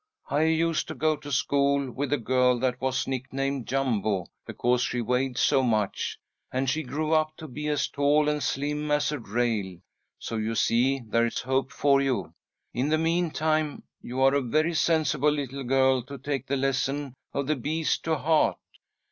I used to go to school with a girl that was nicknamed Jumbo, because she weighed so much, and she grew up to be as tall and slim as a rail; so you see there is hope for you. In the meantime, you are a very sensible little girl to take the lesson of the bees to heart.